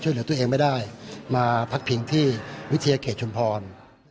ช่วยเหลือตัวเองไม่ได้มาพักพิงที่วิทยาเขตชุมพร